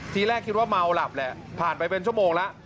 ทีแรกคิดว่าเมาหลับแหละผ่านไปเป็นชั่วโมงแล้ว